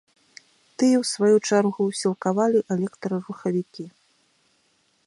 Тыя ў сваю чаргу сілкавалі электрарухавікі.